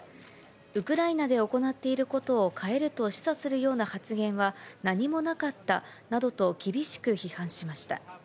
ウクライナで行っていることを変えると示唆するような発言は何もなかったなどと、厳しく批判しました。